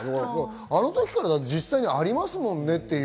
あの時から実際にありますもんねって。